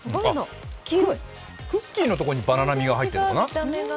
クッキーのところにバナナ味が入っているのかな。